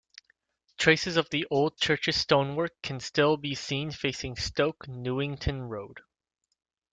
Traces of the old church's stonework can still be seen facing Stoke Newington Road.